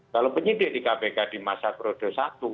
kalau penyidik di kpk di masa periode satu